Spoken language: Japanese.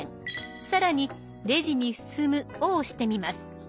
更に「レジに進む」を押してみます。